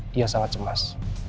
dia sangat cemas